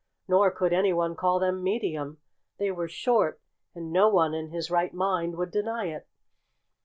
Nor could anyone call them medium. They were short; and no one in his right mind would deny it.